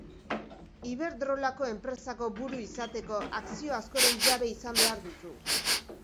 Iberdrolako enpresako buru izateko akzio askoren jabe izan behar duzu.